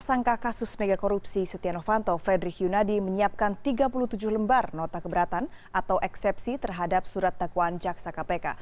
tersangka kasus megakorupsi setia novanto frederick yunadi menyiapkan tiga puluh tujuh lembar nota keberatan atau eksepsi terhadap surat dakwaan jaksa kpk